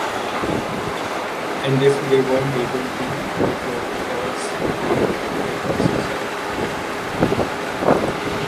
And if they weren't able to, it was because they were limited by society.